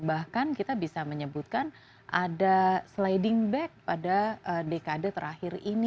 bahkan kita bisa menyebutkan ada sliding back pada dekade terakhir ini